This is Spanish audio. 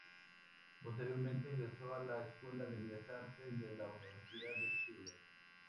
Posteriormente ingresó a la Escuela de Bellas Artes de la Universidad de Chile.